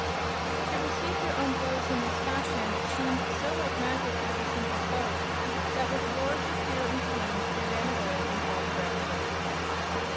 To receive their own blows in this fashion seemed so like magic to the simple folk that with roars of fear and pain they ran away in all directions.